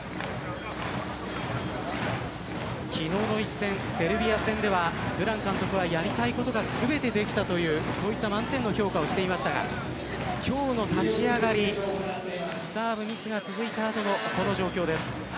昨日の一戦、セルビア戦ではブラン監督はやりたいことが全てできたという満点の評価をしていましたが今日の立ち上がりサーブミスが続いた後のこの状況です。